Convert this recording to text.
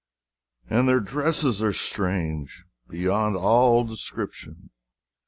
And their dresses are strange beyond all description.